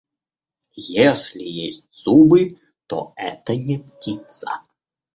Если есть зубы, то это не птица.